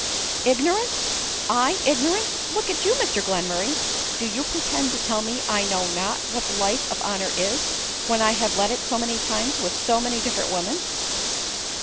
"Ignorant! I ignorant! Look you, Mr Glenmurray, ADELINE MOWBRAY. 35 do you pretend to tell me I know not what the life of honor is, when I have led it so many times with so many different women